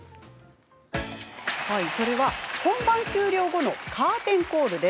それは本番終了後のカーテンコール。